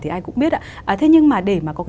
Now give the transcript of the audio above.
thì ai cũng biết thế nhưng để có